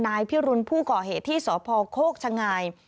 นายพิรุณผู้ก่อเหตุที่สพโคกชะงาย